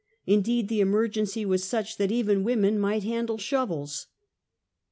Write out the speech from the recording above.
Indeed the emergency was such that even women might handle shovels.